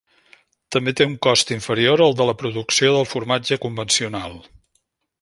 També té un cost inferior al de la producció del formatge convencional.